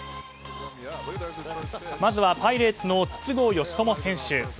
まずはパイレーツの筒香嘉智選手。